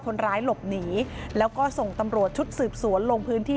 คนร้ายหลบหนีแล้วก็ส่งตำรวจชุดสืบสวนลงพื้นที่